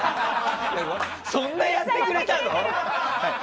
そんなやってくれたの？